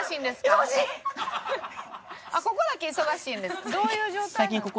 どういう状態？